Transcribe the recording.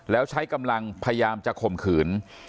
แล้วใช้กำลังพยายามจะข่มขืน